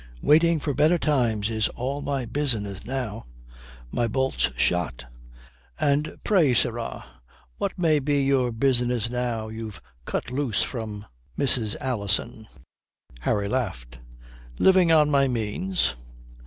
Waiting for better times is all my business now. My bolt's shot. And pray, sirrah, what may be your business now you've cut loose from Mrs. Alison?" Harry laughed. "Living on my means."